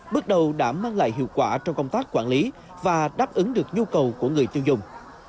bước đầu đã mang lại hiệu quả trong công tác quản lý và đáp ứng được nhu cầu của người tiêu dùng